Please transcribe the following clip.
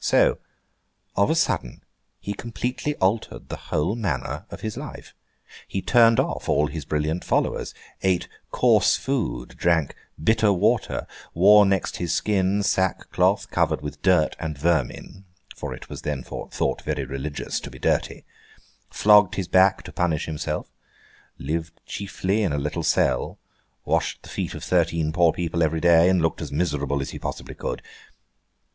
So, of a sudden, he completely altered the whole manner of his life. He turned off all his brilliant followers, ate coarse food, drank bitter water, wore next his skin sackcloth covered with dirt and vermin (for it was then thought very religious to be very dirty), flogged his back to punish himself, lived chiefly in a little cell, washed the feet of thirteen poor people every day, and looked as miserable as he possibly could.